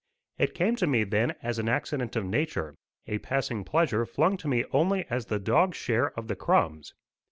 It came to me then as an accident of nature a passing pleasure flung to me only as the dogs' share of the crumbs.